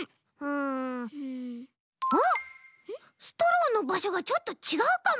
あっストローのばしょがちょっとちがうかも。